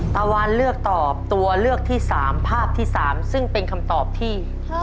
ตะวันเลือกตอบตัวเลือกที่๓ภาพที่๓ซึ่งเป็นคำตอบที่